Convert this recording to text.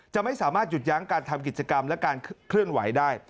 จะไม่สามารถหยุดยั้งการทำกิจกรรมและการเคลื่อนไหวได้